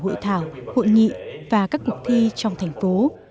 như là hội thảo hội nghị và các cuộc thi trong thành phố